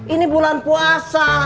ini bulan puasa